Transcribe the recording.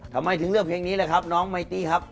ทำไมถึงเลือกเพลงนี้แหละครับน้องไมตี้ครับ